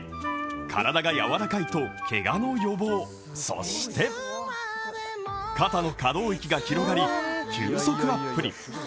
体がやわらかいとけがの予防、そして肩の可動域が広がり球速アップに。